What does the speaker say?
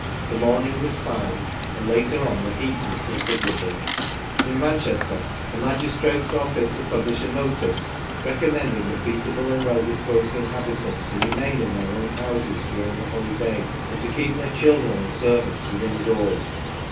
The morning was fine, and later on the heat was considerable. In Manchester the magistrates saw fit to publish a notice recommending the peaceable and well dis posed inhabitants to remain in their own houses during the whole day, and to keep their children and servants within doors.